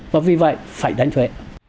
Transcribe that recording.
và vì vậy phải đánh thuế